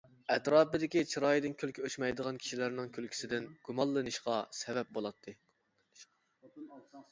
ئەتراپىدىكى چىرايىدىن كۈلكە ئۆچمەيدىغان كىشىلەرنىڭ كۈلكىسىدىن گۇمانلىنىشىغا سەۋەب بولاتتى.